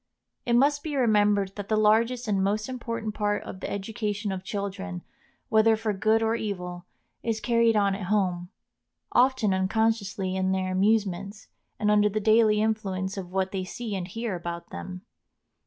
It must be remembered that the largest and most important part of the education of children, whether for good or evil, is carried on at home, often unconsciously in their amusements, and under the daily influence of what they see and hear about them.